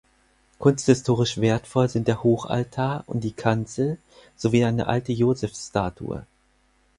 Kunsthistorisch wertvoll sind der Hochaltar und die Kanzel sowie eine alte Joseph-Statue.